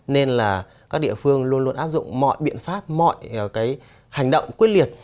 nên là các địa phương luôn luôn áp dụng mọi biện pháp mọi cái hành động quyết liệt